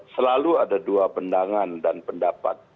selalu ada dua pendangan dan pendapat